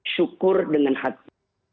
syukur dengan hati